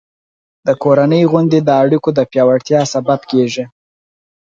د کورنۍ غونډې د اړیکو د پیاوړتیا سبب کېږي.